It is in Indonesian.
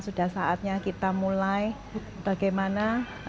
sudah saatnya kita mulai bagaimana